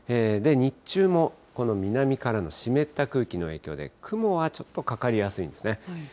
日中もこの南からの湿った空気の影響で、雲はちょっとかかりやすいんですね。